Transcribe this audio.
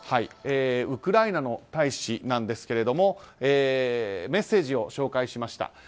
ウクライナの大使なんですがメッセージを紹介しました。